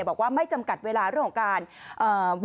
บอกว่าไม่จำกัดเวลาเรื่องของการเอ่อ